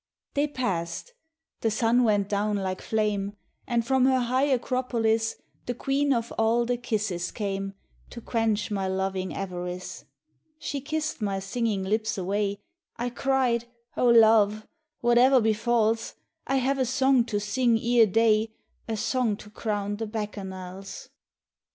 They passed ; the sun went down like flame, And from her high acropolis The queen of all the kisses came To quench my loving avarice. She kissed my singing lips away, I cried, " Oh love ! whate'er befalls, I have a song to sing ere day, A song to crown the Bacchanals."